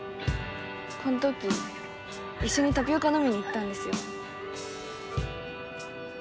こんとき一緒にタピオカ飲みにいったんですよ。